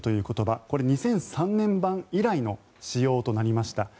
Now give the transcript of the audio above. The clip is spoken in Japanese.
これは２００３年版以来の使用となりました。